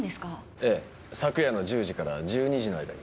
ええ昨夜の１０時から１２時の間に。